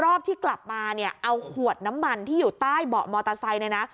รอบที่กลับมาเนี่ยเอาขวดน้ำมันที่อยู่ใต้เบาะมอเตอร์ไซค์เนี่ยนะ